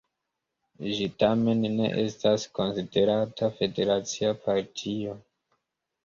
Ĝi tamen ne estas konsiderata federacia partio.